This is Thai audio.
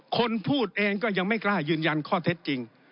คนพูดเองก็ยังไม่กล้ายืนยันข้อเท็จจริง